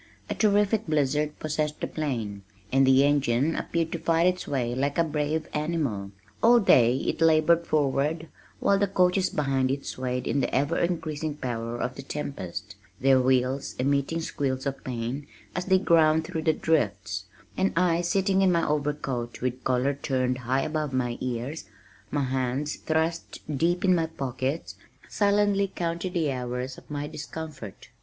A terrific blizzard possessed the plain, and the engine appeared to fight its way like a brave animal. All day it labored forward while the coaches behind it swayed in the ever increasing power of the tempest, their wheels emitting squeals of pain as they ground through the drifts, and I sitting in my overcoat with collar turned high above my ears, my hands thrust deep in my pockets, sullenly counted the hours of my discomfort.